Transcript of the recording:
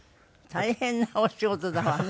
大変なお仕事だわね。